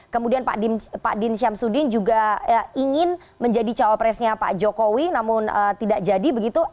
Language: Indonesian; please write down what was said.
kemudian pak din syamsuddin juga ingin menjadi cawapresnya pak jokowi namun tidak jadi begitu